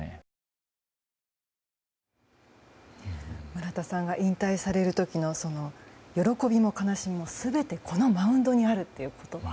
村田さんが引退される時の喜びも悲しみも全てこのマウンドにあるという言葉